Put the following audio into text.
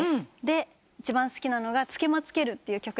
一番好きなのが『つけまつける』って曲です。